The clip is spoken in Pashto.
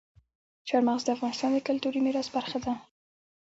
چار مغز د افغانستان د کلتوري میراث برخه ده.